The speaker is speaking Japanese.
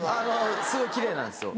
すごい奇麗なんですよ